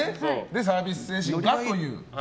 サービス精神がっていう。